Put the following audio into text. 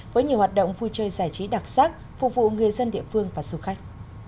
với nhiều hoạt động vui chơi giải trí đặc sắc phục vụ người dân địa phương và du khách